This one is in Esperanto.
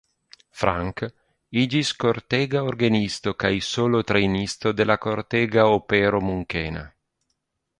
Frank iĝis kortega orgenisto kaj solotrejnisto de la kortega opero munkena.